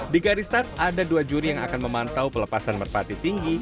di garis start ada dua juri yang akan memantau pelepasan merpati tinggi